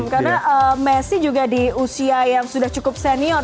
karena messi juga di usia yang sudah cukup senior